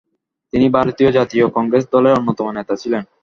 তিনি ভারতীয় জাতীয় কংগ্রেস দলের অন্যতম নেতা ছিলেন।